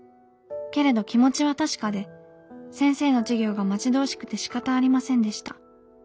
けれど気持ちは確かで先生の授業が待ち遠しくてしかたありませんでした。